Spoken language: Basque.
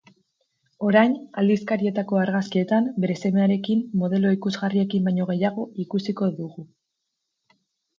Orain, aldizkarietako argazkietan bere semearekin modelo ikusgarriekin baino gehiago ikusiko dugu.